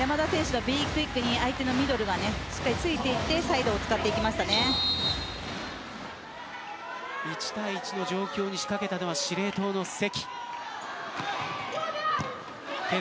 山田選手に相手のミドルがついていって１対１の状況に仕掛けたのは司令塔の関。